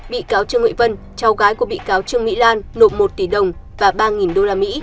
bị cáo trương huệ vân cháu gái của bị cáo trương mỹ lan nộp một tỷ đồng và ba usd